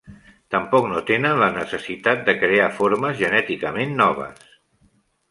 Tampoc no tenen la necessitat de crear formes genèticament noves.